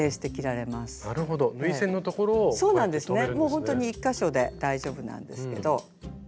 ほんとに１か所で大丈夫なんですけど。